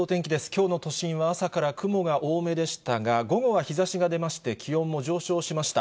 きょうの都心は朝から雲が多めでしたが、午後は日ざしが出まして、気温も上昇しました。